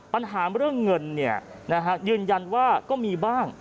ปัญหาเรื่องเงินเนี้ยนะฮะยืนยันว่าก็มีบ้าง